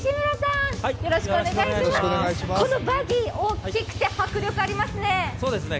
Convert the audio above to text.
このバギー、大きくて迫力ありますね。